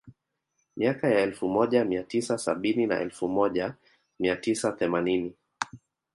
Miaka ya elfu moja mia tisa sabini na elfu moja mia tisa themanini